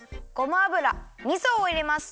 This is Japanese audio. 油みそをいれます。